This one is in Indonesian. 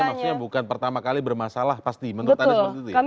maksudnya bukan pertama kali bermasalah pasti menurut anda